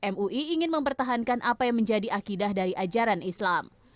mui ingin mempertahankan apa yang menjadi akidah dari ajaran islam